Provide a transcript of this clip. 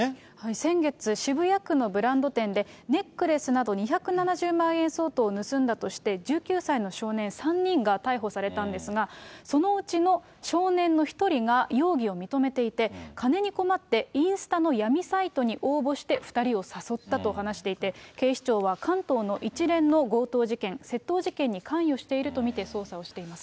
先月、渋谷区のブランド店で、ネックレスなど２７０万円相当を盗んだとして、１９歳の少年３人が逮捕されたんですが、そのうちの少年の１人が容疑を認めていて、金に困ってインスタの闇サイトに応募して２人を誘ったと話していて、警視庁は関東の一連の強盗事件、窃盗事件に関与していると見て捜査をしています。